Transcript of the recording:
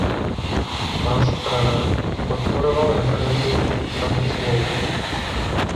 Má strana podporoval referendum o ústavní smlouvě.